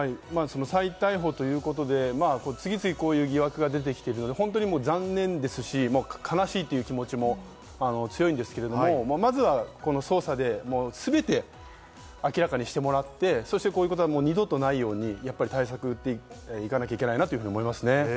再逮捕ということで、次々とこういう疑惑が出てきているので本当に残念ですし、悲しいという気持ちも強いんですけど、まずは捜査で全て明らかにしてもらって、そして二度とないように対策していかないといけないなと思いますね。